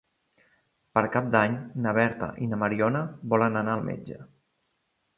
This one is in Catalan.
Per Cap d'Any na Berta i na Mariona volen anar al metge.